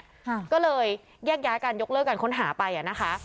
ค่ะก็เลยแยกย้ายการยกเลิกการค้นหาไปอ่ะนะคะ